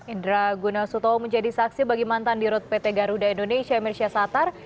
indra guna sutowo menjadi saksi bagi mantan di rut pt garuda indonesia emir syasatar